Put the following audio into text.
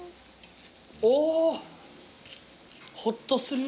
おおほっとする。